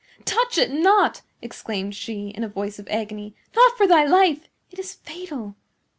"Touch it not!" exclaimed she, in a voice of agony. "Not for thy life! It is fatal!"